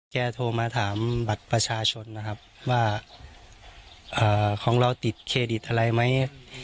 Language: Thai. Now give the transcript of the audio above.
โทรมาถามบัตรประชาชนนะครับว่าของเราติดเครดิตอะไรไหม